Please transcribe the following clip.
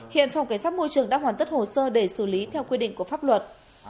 hiện phòng cảnh sát môi trường đã hoàn tất hồ sơ để xử lý theo quy định của pháp luật